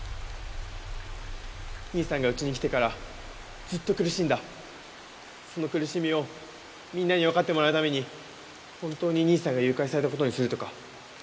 兄さんがうちに来てからずっと苦しんだその苦しみをみんなにわかってもらうために本当に兄さんが誘拐された事にするとか。